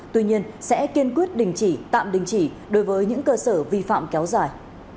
tuy nhiên sẽ kiên quyết đình chỉ tạm đình chỉ đối với những cơ sở vi phạm kéo dài